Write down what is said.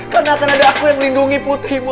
karena akan ada aku yang melindungi putri bu